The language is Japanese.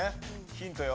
ヒントよ。